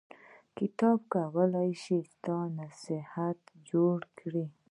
کتاب کولای شي ستا نه شخصیت جوړ کړي